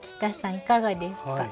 いかがですか？